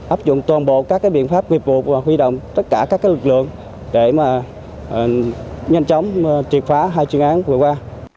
áp dụng toàn bộ các biện pháp nghiệp vụ và huy động tất cả các lực lượng để nhanh chóng triệt phá hai chuyên án vừa qua